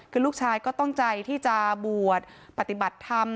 คือลูกชายก็ตั้งใจที่จะบวชปฏิบัติธรรม